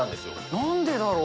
なんでだろう。